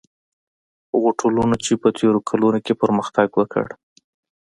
هغو ټولنو چې په تېرو کلونو کې پرمختګ وکړ.